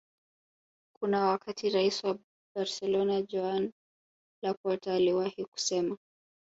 Kuna wakati Rais wa Barcolona Joan Laporta aliwahi kusema